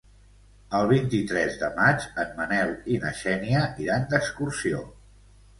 El vint-i-tres de maig en Manel i na Xènia iran d'excursió.